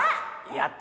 やった！